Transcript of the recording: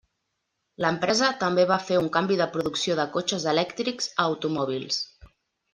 L'empresa també va fer un canvi de producció de cotxes elèctrics a automòbils.